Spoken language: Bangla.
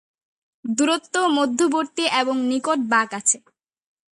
দূরত্ব, মধ্যবর্তী এবং নিকট বা কাছে।